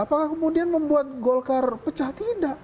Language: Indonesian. apakah kemudian membuat golkar pecah tidak